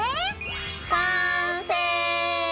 完成！